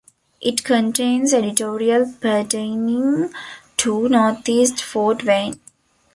It contains editorial pertaining to Northeast Fort Wayne.